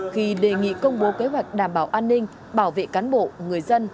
khi đề nghị công bố kế hoạch đảm bảo an ninh bảo vệ cán bộ người dân